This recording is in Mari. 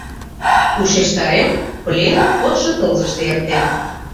Ушештарем: Пленум кодшо тылзыште эртен...